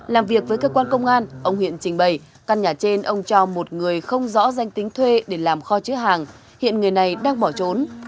làm việc với cơ quan công an ông huyện trình bày căn nhà trên ông cho một người không rõ danh tính thuê để làm kho chứa hàng hiện người này đang bỏ trốn